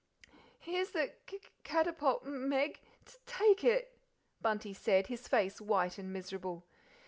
"Here's the c c c catapult, M Meg; t take it," Bunty said, his face white and miserable.